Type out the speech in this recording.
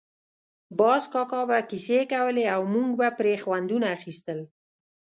باز کاکا به کیسې کولې او موږ به پرې خوندونه اخیستل.